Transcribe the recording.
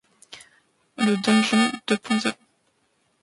Le donjon deux point zéro.